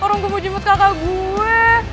orang gue mau jemut kakak gue